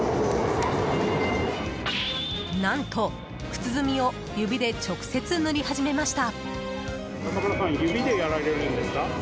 何と靴墨を指で直接塗り始めました。